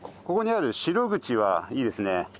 ここにあるシログチはいいですね。